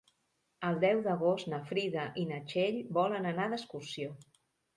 El deu d'agost na Frida i na Txell volen anar d'excursió.